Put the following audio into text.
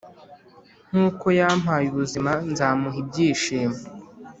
nkuko yampaye ubuzima nzamuha ibyishimo...